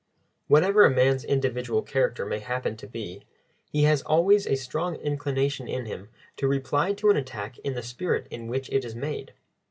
Whatever a man's individual character may happen to be, he has always a strong inclination in him to reply to an attack in the spirit in which it is made.